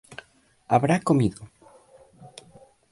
Habrá comido